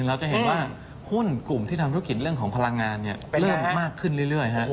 เราจะเห็นว่าหุ้นกลุ่มที่ทำธุรกิจเรื่องของพลังงานเริ่มมากขึ้นเรื่อย